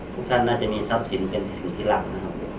พวกท่านน่าจะมีทรัพย์สินเป็นสิทธิรักนะครับ